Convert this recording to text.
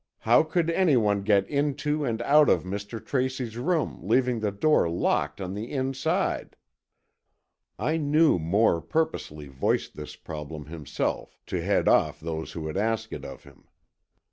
How could anyone get into and out of Mr. Tracy's room, leaving the door locked on the inside?" I knew Moore purposely voiced this problem himself, to head off those who would ask it of him.